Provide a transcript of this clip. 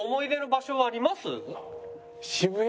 渋谷？